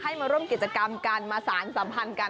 มาร่วมกิจกรรมกันมาสารสัมพันธ์กัน